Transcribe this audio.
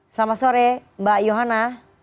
selamat sore mbak johana